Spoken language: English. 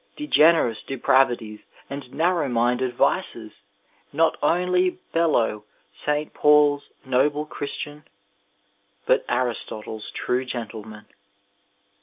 Degeneious depravities, and narrow minded vices ! not only below St. Paul's noble Christian, but Aristotle's true gentleman.